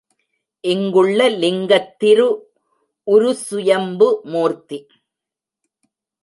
இங்குள்ள லிங்கத் திருஉரு சுயம்பு மூர்த்தி.